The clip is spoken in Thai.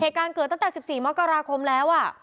เหตุการณ์เกิดตั้งแต่สิบสี่มกราคมแล้วอ่ะ